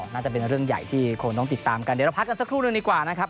น่าจะเป็นเรื่องใหญ่ที่คงต้องติดตามกันเดี๋ยวเราพักกันสักครู่หนึ่งดีกว่านะครับ